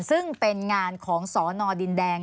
ซึ่งเป็นงานของสนดินแดง